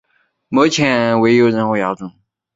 目前未有任何亚种。